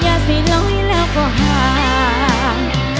อย่าสิ่งเหล้าให้แล้วก็ห่าง